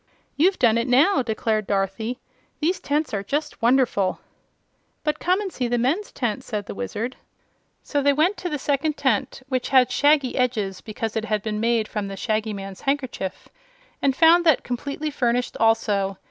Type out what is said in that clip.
"You've done it now!" declared Dorothy. "These tents are just wonderful!" "But come and see the men's tent," said the Wizard. So they went to the second tent, which had shaggy edges because it has been made from the Shaggy Man's handkerchief, and found that completely furnished also.